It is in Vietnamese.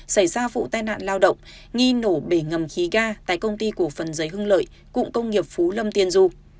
xảy ra vụ tai nạn lao động nghi nổ bể ngầm khí ga tại công ty cổ phần giấy hưng lợi cụng công nghiệp phú lâm tiên du